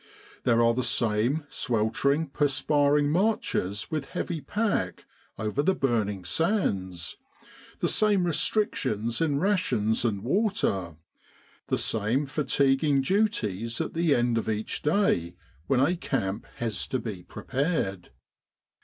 There are the same sweltering, perspiring marches with heavy pack over the burning sands, the same restrictions in rations and water, the same fatiguing duties at the end of 'each day, when a camp has to be prepared.